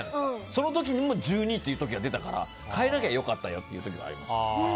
その時にも１２位というのが出たから変えなきゃよかったよっていうのはあります。